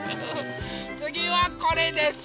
つぎはこれです。